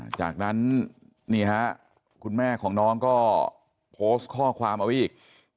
จากนั้นนี่ฮะคุณแม่ของน้องก็โพสต์ข้อความเอาไว้อีก